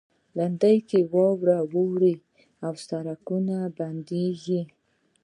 لېندۍ کې واوره اوري او سړکونه بندیږي.